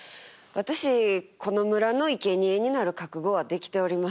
私この村のいけにえになる覚悟はできております。